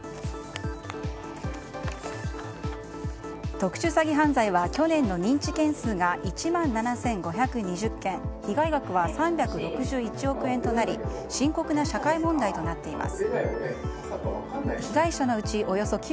特殊詐欺犯罪は去年の認知件数が１万７５２０件被害額は３６１億円となり深刻な社会問題となっています。